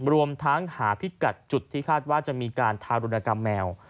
รวมทั้งหาพิกัดจุดที่คาดว่าจะมีการทารุณกรรมแมว